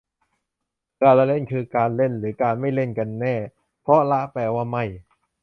การละเล่น คือการเล่นหรือการไม่เล่นกันแน่ เพราะละแปลว่าไม่